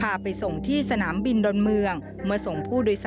ได้ส่งที่สนามบินดอนเมือง๙๐๐๗๓